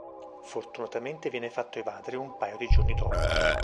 Fortunatamente viene fatto evadere un paio di giorni dopo.